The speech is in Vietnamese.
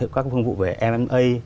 các phương vụ về mma